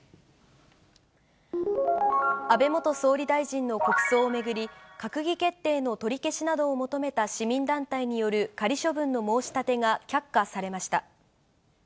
安倍元総理大臣の国葬を巡り、閣議決定の取り消しなどを求めた市民団体による仮処分の申し立てが却下されました。